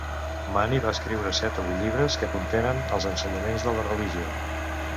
Mani va escriure set o vuit llibres, que contenen els ensenyaments de la religió.